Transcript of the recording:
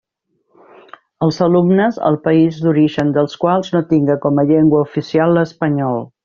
Els alumnes, el país d'origen dels quals no tinga com a llengua oficial l'espanyol.